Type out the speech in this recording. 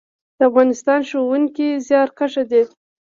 د افغانستان ښوونکي زیارکښ دي